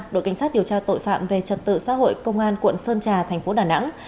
đội cảnh sát điều tra tội phạm về trật tự xã hội công an quận sơn trà thành phố đà nẵng